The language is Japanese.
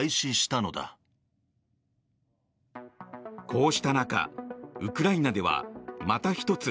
こうした中ウクライナではまた１つ